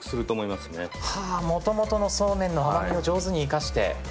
もともとのそうめんの甘みを上手に生かして。